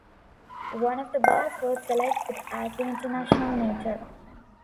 One of the bars was selected as the International Meter.